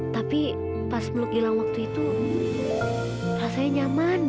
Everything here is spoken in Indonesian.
tapi pas belok gilang waktu itu rasanya nyaman banget